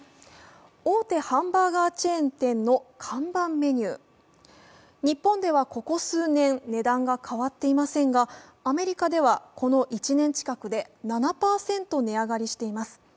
大手ハンバーガーチェーン店の看板メニュー、日本ではここ数年、値段が変わっていませんが、アメリカではこの１年近くで７％値上がりしています。